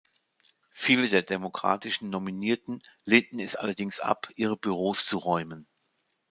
Viele der demokratischen Nominierten lehnten es allerdings ab ihre Büros zu räumen.